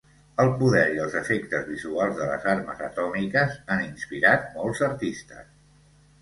El poder i els efectes visuals de les armes atòmiques han inspirat molts artistes.